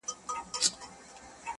د خرقې دام-